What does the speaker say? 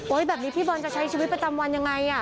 แบบนี้พี่บอลจะใช้ชีวิตประจำวันยังไง